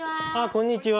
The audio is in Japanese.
こんにちは。